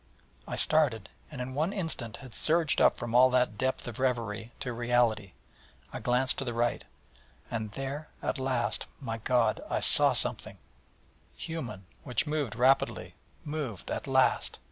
_' I started, and in one instant had surged up from all that depth of reverie to reality: I glanced to the right: and there, at last, my God, I saw something human which moved, rapidly moved: at last!